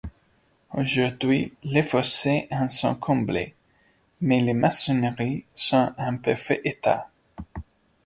Aujourd'hui, les fossés en sont comblés mais les maçonneries sont en parfait état.